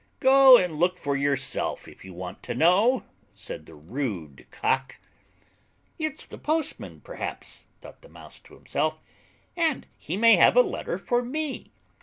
"Go and look for yourself, if you want to know," said the rude Cock[.] "It's the postman perhaps," thought the Mouse to himself, "and he may have a letter for me."